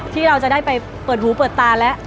ที่เราจะได้ไปเปิดหูเปิดตาแล้ว